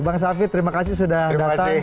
bang safir terima kasih sudah datang